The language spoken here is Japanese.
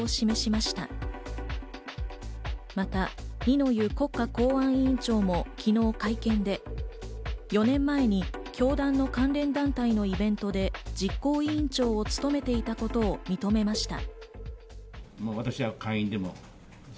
また二之湯国家公安委員長も昨日会見で、４年前に教団の関連団体のイベントで実行委員長を務めていたことを認めました。